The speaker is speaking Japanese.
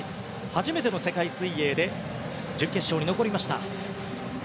初めての世界水泳で準決勝に残りました。